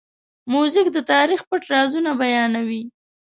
موزیک د تاریخ پټ رازونه بیانوي.